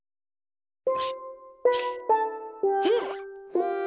うん！